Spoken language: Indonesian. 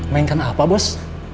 mainkan apa bos